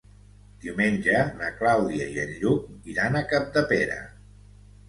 Diumenge na Clàudia i en Lluc iran a Capdepera.